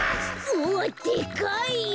うわっでかい！